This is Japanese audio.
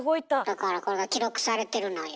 だからこれが記録されてるのよ。